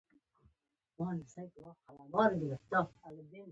نېکمرغه کورنۍ د جوړولو په برخه کې مثبت تاثیر ولري